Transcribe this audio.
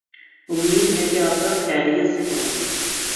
امید ہے کہ آپ سب خیریت سے ہوں گے۔